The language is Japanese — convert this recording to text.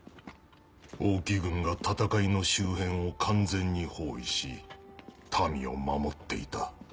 王騎軍が戦いの周辺を完全に包囲し民を守っていた。